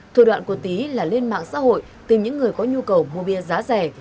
thủ đoạn của tý là lên mạng xã hội tìm những người có nhu cầu mua bia giá rẻ